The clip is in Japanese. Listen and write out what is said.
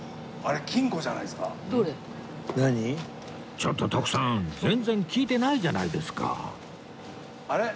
ちょっと徳さん全然聞いてないじゃないですか